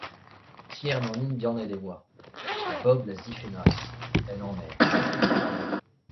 Tiern an Indianed e oa. E bobl a zifennas, en aner...